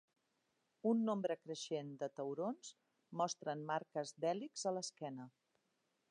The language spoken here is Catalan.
Un nombre creixent de taurons mostren marques d'hèlix a l'esquena.